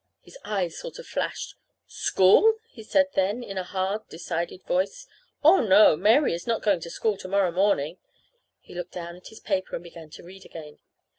His eyes sort of flashed. "School?" he said then, in a hard, decided voice. "Oh, no; Mary is not going to school to morrow morning." He looked down to his paper and began to read again.